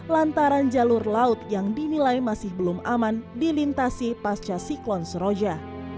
lantaran jalur laut yang dinilai masih belum aman dilintasi pasca siklon seroja